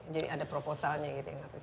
jadi ada proposalnya gitu ya